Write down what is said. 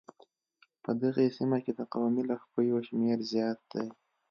په دغې سيمې کې د قومي لږکيو شمېر زيات دی.